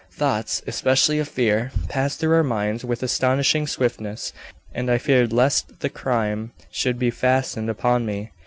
Thoughts, especially of fear, pass through our minds with astonishing swiftness, and I feared lest the crime should be fastened upon me.